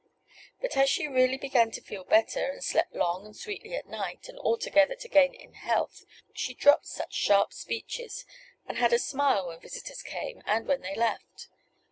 But as she really began to feel better, and slept long and sweetly at night, and altogether to gain in health, she dropped such sharp speeches and had a smile when visitors came and when they left.